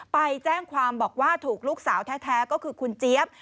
ไปแจ้งความบอกว่าถูกลูกสาวแท้ก็คือคุณเจี๊ยบ